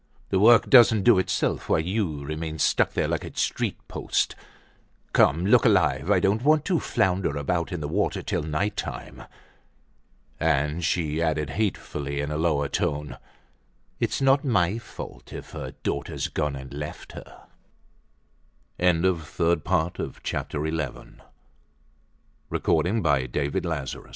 The work doesn't do itself while you remain stuck there like a street post. Come, look alive, I don't want to flounder about in the water till night time." And she added hatefully in a lower tone: "It isn't my fault if her daughter's gone and left her." No doubt Gervaise did not hear. She had beg